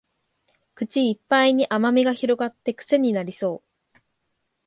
口いっぱいに甘味が広がってクセになりそう